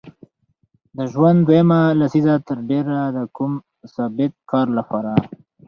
د ژوند دویمه لسیزه تر ډېره د کوم ثابت کار له